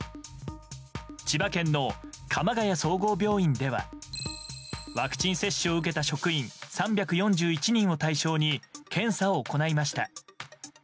千葉県の鎌ケ谷総合病院ではワクチン接種を受けた職員３４１人を対象に検査を行いました。